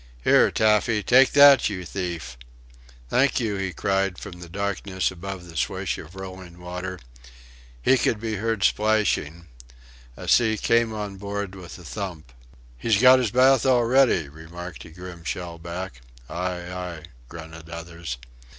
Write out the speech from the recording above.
"Here, Taffy take that, you thief!" "Thank you!" he cried from the darkness above the swish of rolling water. He could be heard splashing; a sea came on board with a thump. "He's got his bath already," remarked a grim shellback. "Aye, aye!" grunted others.